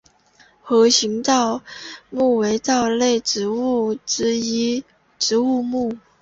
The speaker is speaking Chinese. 盒形藻目为藻类植物之一植物目。